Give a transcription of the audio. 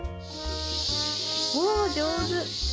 おー、上手。